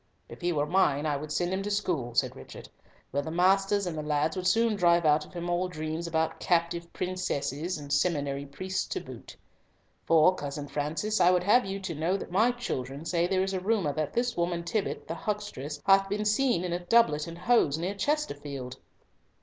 "If he were mine, I would send him to school," said Richard, "where the masters and the lads would soon drive out of him all dreams about captive princesses and seminary priests to boot. For, Cousin Francis, I would have you to know that my children say there is a rumour that this woman Tibbott the huckstress hath been seen in a doublet and hose near Chesterfield."